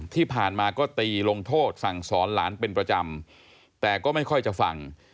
ที่ผ่านมาก็ตีลงโทษสั่งสอนหลานเป็นประจำแต่ก็ไม่ค่อยจะฟัง